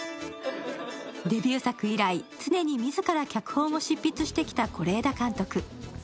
デビュー作以来、常に自ら脚本を執筆してきた是枝監督。